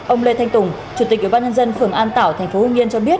ông lê thanh tùng chủ tịch ủy ban nhân dân phường an tảo tp hưng yên cho biết